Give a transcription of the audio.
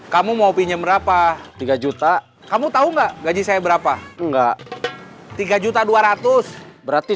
kamu mau pinjam berapa tiga juta kamu tahu enggak gaji saya berapa enggak tiga juta dua ratus berarti